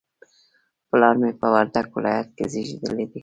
پلار مې په وردګ ولایت کې زیږدلی